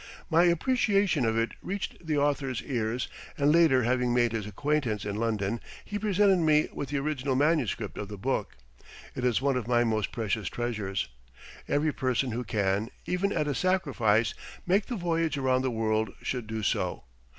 My appreciation of it reached the author's ears and later having made his acquaintance in London, he presented me with the original manuscript of the book. It is one of my most precious treasures. Every person who can, even at a sacrifice, make the voyage around the world should do so.